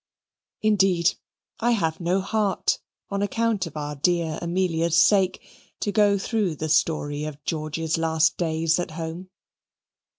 Indeed I have no heart, on account of our dear Amelia's sake, to go through the story of George's last days at home.